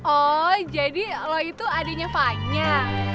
oh jadi lo itu adiknya fanya